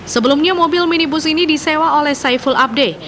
sebelumnya mobil minibus ini disewa oleh saiful abde